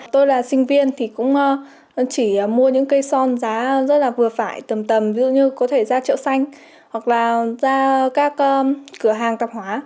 tôi là sinh viên thì cũng chỉ mua những cây son giá rất là vừa phải tầm tầm ví dụ như có thể ra chợ xanh hoặc là ra các cửa hàng tạp hóa